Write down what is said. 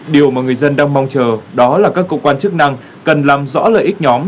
điều mà người dân đang mong chờ đó là các cơ quan chức năng cần làm rõ lợi ích nhóm